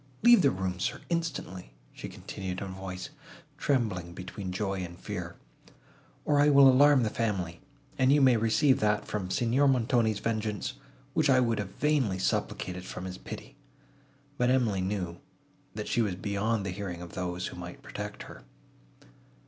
"Leave the room, sir, instantly," she continued in a voice, trembling between joy and fear, "or I will alarm the family, and you may receive that from Signor Montoni's vengeance, which I have vainly supplicated from his pity." But Emily knew, that she was beyond the hearing of those, who might protect her.